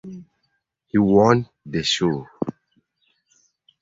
He won the show.